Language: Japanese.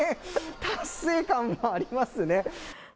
達成感もありますね。